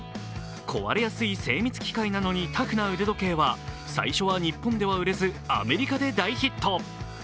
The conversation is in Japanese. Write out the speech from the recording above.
壊れやすい精密機械なのにタフな腕時計は、最初は日本では売れず、アメリカで大ヒット。